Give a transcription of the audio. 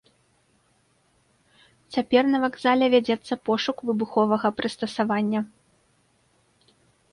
Цяпер на вакзале вядзецца пошук выбуховага прыстасавання.